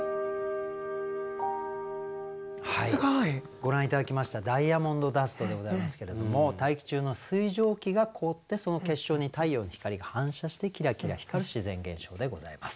ご覧頂きましたダイヤモンドダストでございますけれども大気中の水蒸気が凍ってその結晶に太陽の光が反射してキラキラ光る自然現象でございます。